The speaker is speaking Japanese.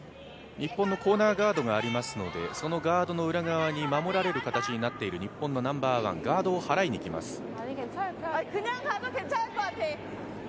日本のコーナーガードがありますので、そのガードの裏側に守られる形になっている日本のナンバーワン、ガードをはらいにいきます。